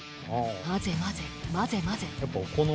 混ぜ混ぜ混ぜ混ぜ。